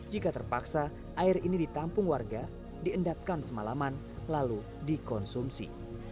jika terpaksa air ini ditampung warga diendapkan semalaman lalu dikonsumsi